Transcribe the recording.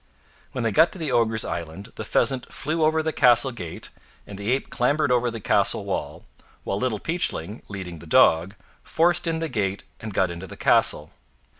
When they got to the ogres' island, the Pheasant flew over the castle gate and the Ape clambered over the castle wall, while Little Peachling, leading the Dog, forced in the gate and got into the castle.